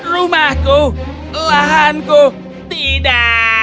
rumahku lahanku tidak